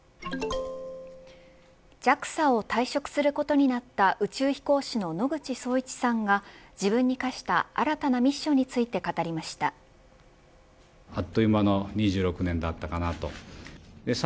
ＪＡＸＡを退職することになった宇宙飛行士の野口聡一さんが自分に課した新たなミッションについて語りました。